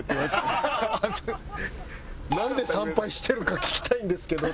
「なんで参拝してるか聞きたいんですけど」